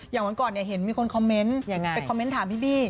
วันก่อนเห็นมีคนคอมเมนต์ไปคอมเมนต์ถามพี่บี้